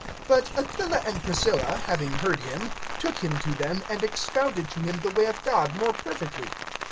But Aquila and Priscilla, having heard him, took him to them, and expounded to him the way of God more perfectly.